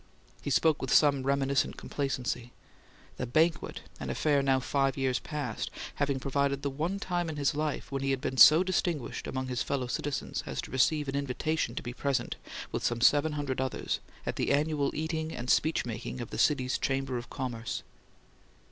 He spoke with some reminiscent complacency; "the banquet," an affair now five years past, having provided the one time in his life when he had been so distinguished among his fellow citizens as to receive an invitation to be present, with some seven hundred others, at the annual eating and speech making of the city's Chamber of Commerce.